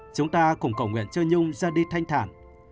chúng ta cùng cầu nguyện cho nhung ra đi thanh thản